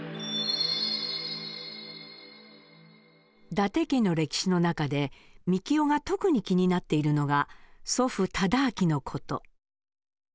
伊達家の歴史の中でみきおが特に気になっているのが祖父忠亮の事。